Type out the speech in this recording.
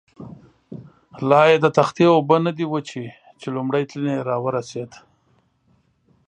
لایې د تختې اوبه نه دي وچې، چې لومړی تلین یې را ورسېد.